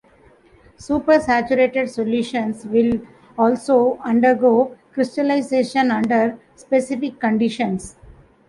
Supersaturated solutions will also undergo crystallization under specific conditions.